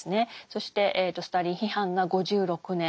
そしてスターリン批判が５６年。